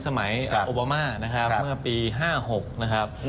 สมัยโอบามานะครับเมื่อปี๕๖นะครับ